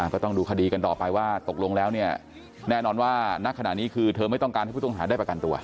ก็ต้องดูคดีกันต่อไปว่าตกลงแล้วเนี่ยแน่นอนว่าณขณะนี้คือเธอไม่ต้องการให้ผู้ต้องหาได้ประกันตัว